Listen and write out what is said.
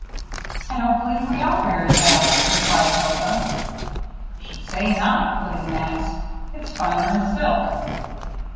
"I don't believe we are very bad," replied Hilda. "Should say not," put in Max. "It's finer'n silk."